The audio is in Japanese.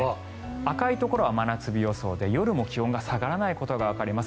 赤いところは真夏日予想で夜も気温が下がらないこともわかります。